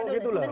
mas bisa dulu